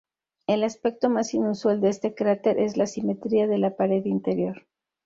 El aspecto más inusual de este cráter es la asimetría de la pared interior.